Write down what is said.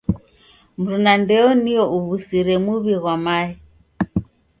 Mrunda ndeyo nio uw'usire muw'i ghwa mae.